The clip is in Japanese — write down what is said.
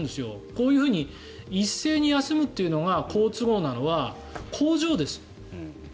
こういうふうに一斉に休むのが好都合なのは工場です。